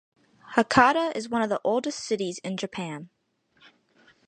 Hakata is one of the oldest cities in Japan.